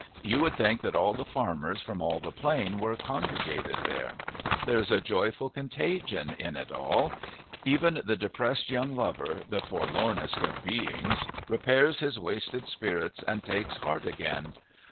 You would think that all the farmers from all the Plain were congregated there. There is a joyful contagion in it all. Even the depressed young lover, the forlornest of beings, repairs his wasted spirits and takes heart again.